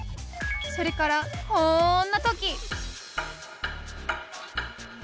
それからこんな時！